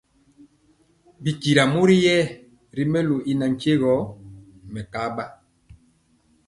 Bi tyira bori rɛye ri melu y nantye gɔ mɛkaba.